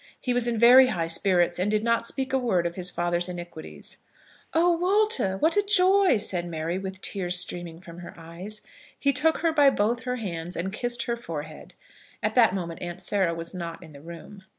He was in very high spirits, and did not speak a word of his father's iniquities. "Oh, Walter, what a joy!" said Mary, with the tears streaming from her eyes. He took her by both her hands, and kissed her forehead. At that moment Aunt Sarah was not in the room.